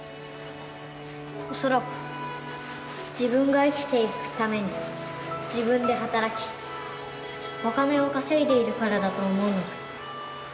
恐らく自分が生きていくために自分で働きお金を稼いでいるからだと思うのだ。